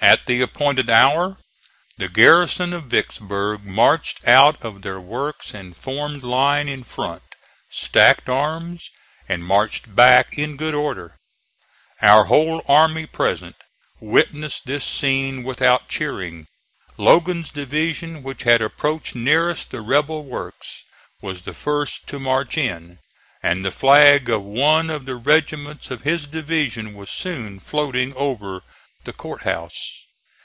At the appointed hour the garrison of Vicksburg marched out of their works and formed line in front, stacked arms and marched back in good order. Our whole army present witnessed this scene without cheering. Logan's division, which had approached nearest the rebel works, was the first to march in; and the flag of one of the regiments of his division was soon floating over the court house.